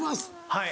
はい。